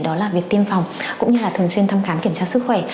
đó là việc tiêm phòng cũng như là thường xuyên thăm khám kiểm tra sức khỏe